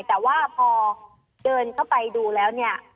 แต่ว่าพอเดินเข้าไปดูแล้วเนี่ย